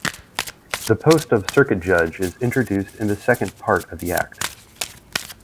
The post of circuit judge is introduced in the second part of the Act.